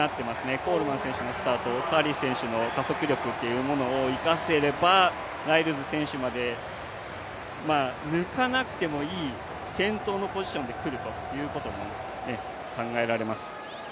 コールマン選手のスタート、カーリー選手の加速力というのを生かせれば、ライルズ選手まで、抜かなくてもいい、先頭のポジションで来るということも考えられます。